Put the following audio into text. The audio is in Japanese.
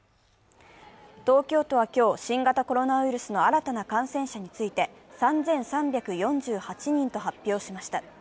東京都は今日、新型コロナウイルスの新たな感染者について３３４８人と発表しました。